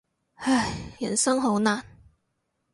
唉，人生好難。